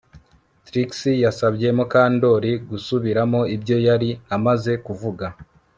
Trix yasabye Mukandoli gusubiramo ibyo yari amaze kuvuga